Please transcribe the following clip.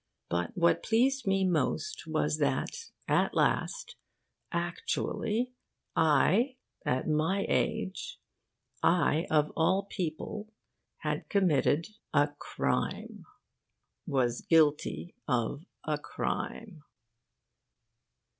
But what pleased me most was that at last, actually, I, at my age, I of all people, had committed a crime was guilty of a crime.